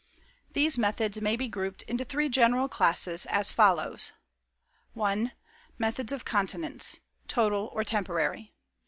These methods may be grouped into three general classes, as follows: I. METHODS OF CONTINENCE (TOTAL OR TEMPORARY).